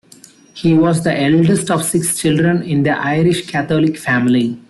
He was the eldest of six children in the Irish-Catholic family.